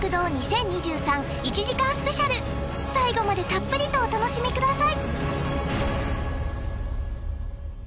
最後までたっぷりとお楽しみください